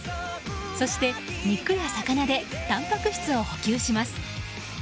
そして、肉や魚でたんぱく質を補給します。